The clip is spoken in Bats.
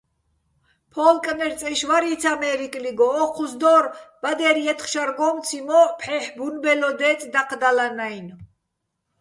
ფო́ლკნერ წეშ ვარიც ამე́რიკლიგო, ო́ჴუს დო́რ: ბადერ ჲეთხ შარგო́მციჼ მო́ჸ, ფჰ̦ეჰ̦, ბუნბელო დე́წე̆ დაჴდალანაჲნო̆.